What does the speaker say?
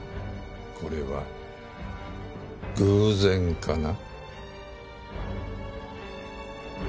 これは偶然かな？